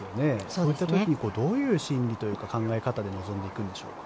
こういった時にどういう心理というか考え方で臨んでいくんでしょうか。